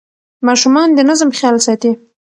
ماشومان د نظم خیال ساتي.